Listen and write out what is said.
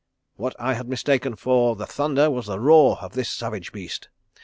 What I had mistaken for the thunder was the roar of this savage beast.